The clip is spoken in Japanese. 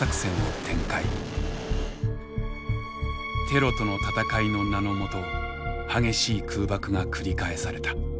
テロとの戦いの名の下激しい空爆が繰り返された。